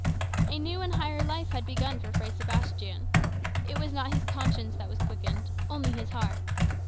A new and higher life had begun for Fray Sebastian. It was not his conscience that was quickened, only his heart.